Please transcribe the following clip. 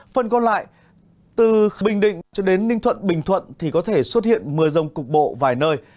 phần còn lại từ bình định cho đến ninh thuận bình thuận thì có thể xuất hiện mưa rông cục bộ vài nơi